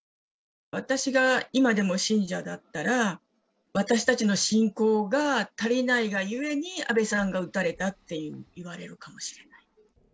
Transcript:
私が今でも信者だったら、私たちの信仰が足りないがゆえに、安倍さんが撃たれたって言われるかもしれない。